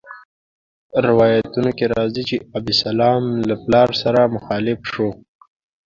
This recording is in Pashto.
روایتونو کې راځي چې ابسلام له پلار سره مخالف شو.